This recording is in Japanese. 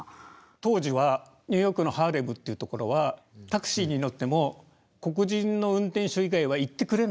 当時はニューヨークのハーレムっていう所はタクシーに乗っても黒人の運転手以外は行ってくれない。